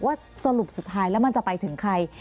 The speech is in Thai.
สรุปสุดท้ายแล้วมันจะไปถึงใคร